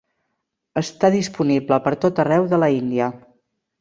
Està disponible pertot arreu de la Índia.